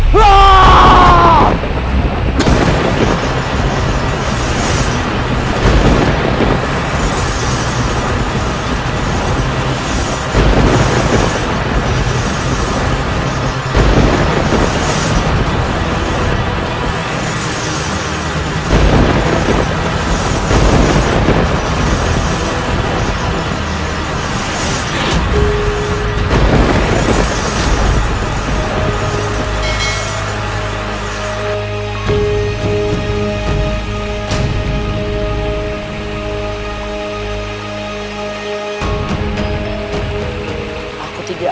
aku akan membalaskan gedangku